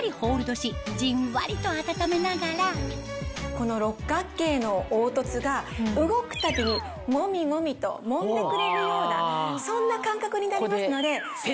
この六角形の凹凸が動くたびにもみもみともんでくれるようなそんな感覚になりますので。